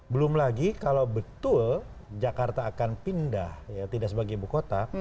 belum lagi kalau betul jakarta akan pindah tidak sebagai ibu kota